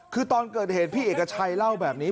คือตอนเกิดเหตุพี่เอกชัยเล่าแบบนี้